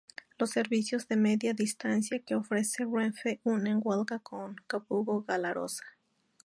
Los servicios de Media Distancia que ofrece Renfe unen Huelva con Jabugo-Galaroza.